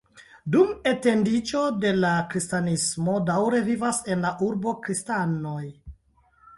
Dum etendiĝo de la kristanismo daŭre vivas en la urbo kristanoj.